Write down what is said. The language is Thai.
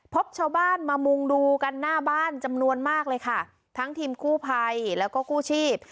พบชาวบ้านมามุงดูกันหน้าบ้านจำนวนมากเลยค่ะทั้งทีมกู้ภัยแล้วก็กู้ชีพ